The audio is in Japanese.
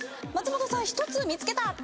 松本さん１つ見つけた。